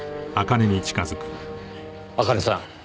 茜さん